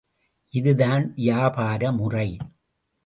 இதுதான் வியாபார முறை